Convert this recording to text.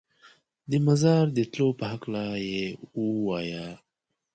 د مزار د تلو په هکله یې ووایه.